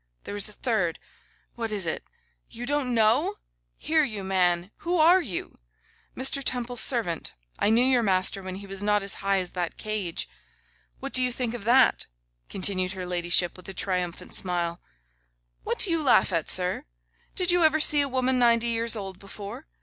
There is a third. What is it? You don't know! Here, you man, who are you? Mr. Temple's servant. I knew your master when he was not as high as that cage. What do you think of that?' continued her ladyship, with a triumphant smile. 'What do you laugh at, sir? Did you ever see a woman ninety years old before?